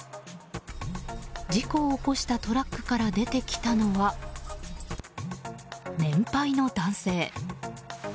事故を起こしたトラックから出てきたのは年配の男性。